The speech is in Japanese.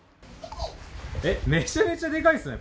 えっ、めちゃめちゃでかいですね。